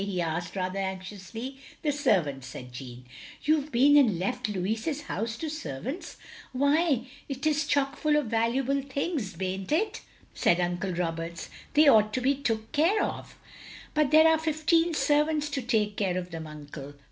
he asked, rather anxiously. "The servants, " said Jeanne. " You've been and left Louis's house to servants. Why *t is chock full of valuable things, baint it?'* 142 THE LONELY LADY said Uncle Roberts. "They ought to be took care of." "But there are fifteen servants to take care of them, Uncle.